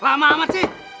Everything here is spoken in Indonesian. lama amat sih